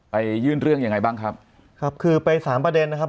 ยื่นเรื่องยังไงบ้างครับครับคือไปสามประเด็นนะครับ